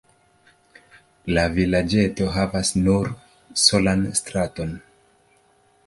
La vilaĝeto havas nur solan straton.